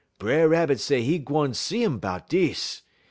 "B'er Rabbit say 'e gwan see 'im 'bout dis.